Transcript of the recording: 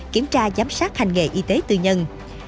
kiểm tra giám sát hành nghề y tế tư nhân